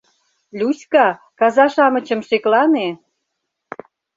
Люська, каза-шамычым шеклане!